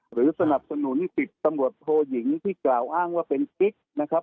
หรือสนับสนุน๑๐ตำรวจโทยิงที่กล่าวอ้างว่าเป็นกิ๊กนะครับ